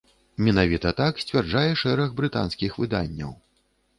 Менавіта так сцвярджае шэраг брытанскіх выданняў.